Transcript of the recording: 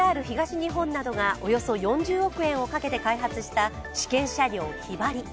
ＪＲ東日本などがおよそ４０億円をかけて開発した試験車両ＨＹＢＡＲＩ。